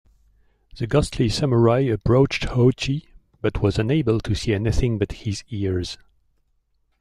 The ghostly samurai approached Hoichi but was unable to see anything but his ears.